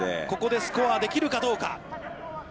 ここでスコアできるかどうか。